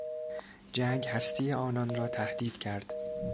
جنگ هستی آنان را تهدید کرد.